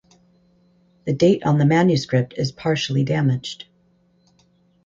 The date on the manuscript is partially damaged.